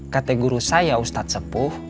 kata guru saya ustad sepuh